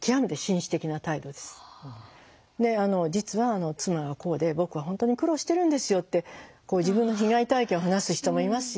で「実は妻がこうで僕は本当に苦労してるんですよ」って自分の被害体験を話す人もいますし。